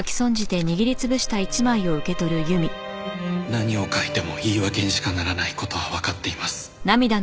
「何を書いても言い訳にしかならない事は分かっています」